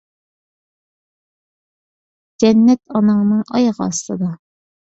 جەننەت ئاناڭنىڭ ئايىغى ئاستىدا.